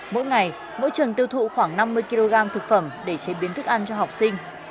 mỗi ngày mỗi trường tiêu thụ khoảng năm mươi kg thực phẩm để chế biến thức ăn cho học sinh